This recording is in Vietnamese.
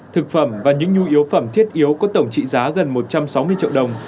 thực phẩm và những nhu yếu phẩm thiết yếu có tổng trị giá gần một trăm sáu mươi triệu đồng